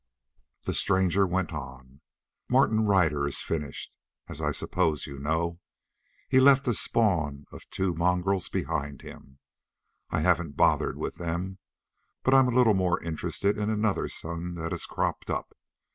The stranger went on: "Martin Ryder is finished, as I suppose you know. He left a spawn of two mongrels behind him. I haven't bothered with them, but I'm a little more interested in another son that has cropped up.